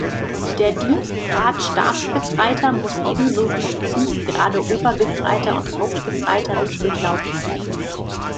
Der Dienstgrad Stabsgefreiter muss ebenso wie die Dienstgrade Obergefreiter und Hauptgefreiter nicht durchlaufen werden.